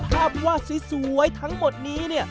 ภาพว่าสวยทั้งหมดนี้เนี่ย